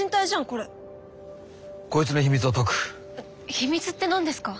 秘密ってなんですか？